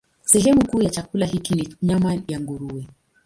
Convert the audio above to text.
Sehemu kuu ya chakula hiki ni nyama ya nguruwe.